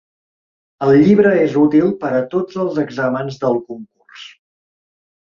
El llibre és útil per a tots els exàmens del concurs.